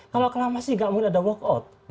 kalau aklamasi nggak mungkin ada walk out